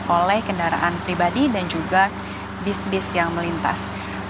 oleh kendaraan pribadi dan juga bis bis yang melintas